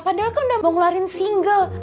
padahal kan udah mau ngeluarin single